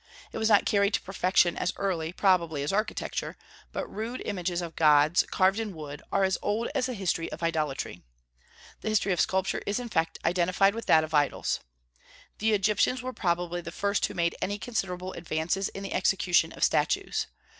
It was not carried to perfection as early, probably, as architecture; but rude images of gods, carved in wood, are as old as the history of idolatry. The history of sculpture is in fact identified with that of idols. The Egyptians were probably the first who made any considerable advances in the execution of statues.